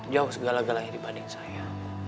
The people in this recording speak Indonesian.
jauh segala galanya dibanding saya